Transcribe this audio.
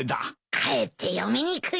かえって読みにくいよ。